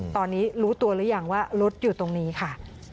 ตอนนี้รู้ตัวหรือยังว่ารถอยู่ตรงนี้ค่ะ